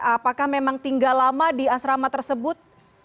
apakah memang tinggal lama di asrama tersebut